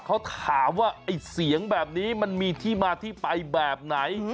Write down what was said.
เขาถามว่าไอ้เสียงแบบนี้มันมีที่มาที่ไปแบบไหน